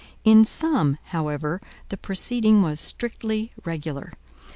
In some, however, the proceeding was strictly regular.